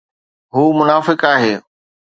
هو منافق آهي